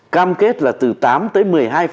cam kết là từ tám tới một mươi hai